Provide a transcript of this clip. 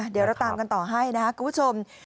เดี๋ยวเราตามกันต่อให้นะครับคุณผู้ชม